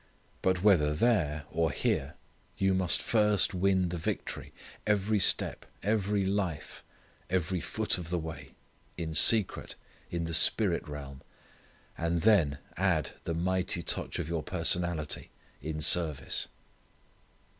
But whether there or here, you must first win the victory, every step, every life, every foot of the way, in secret, in the spirit realm, and then add the mighty touch of your personality in service.